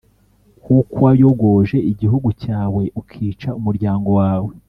kuko wayogoje igihugu cyawe, ukica umuryango wawe: